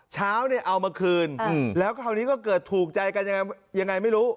เช้าเนี่ยเอามาคืนแล้วคราวนี้ก็เกิดถูกใจกันยังไงไม่รู้